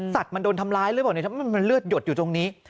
สัตว์มันโดนทำร้ายหรือเปล่ามันเลือดหยดอยู่ตรงนี้